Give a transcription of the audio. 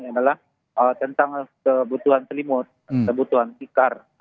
adalah tentang kebutuhan selimut kebutuhan tikar